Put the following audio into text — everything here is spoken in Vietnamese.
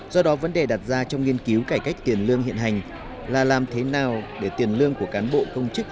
do đó vấn đề đặt ra trong nghiên cứu cải cách tiền lương hiện hành là làm thế nào để tiền lương của cán bộ công chức